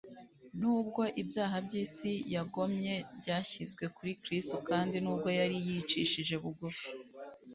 Nubwo ibyaha by'isi yagomye byashyizwe kuri Kristo kandi nubwo yari yicishije bugufi